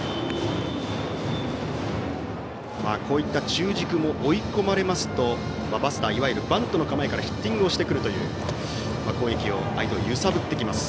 中軸も追い込まれますとバスターいわゆるバントの構えからヒッティングをしてくるという攻撃で相手を揺さぶってきます。